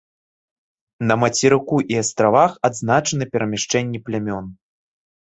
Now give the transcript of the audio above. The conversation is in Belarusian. На мацерыку і астравах адзначаны перамяшчэнні плямён.